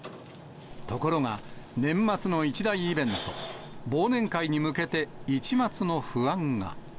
ところが、年末の一大イベント、忘年会に向けて、一抹の不安が。